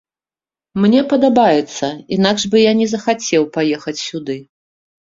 Мне падабаецца, інакш бы я не захацеў паехаць сюды.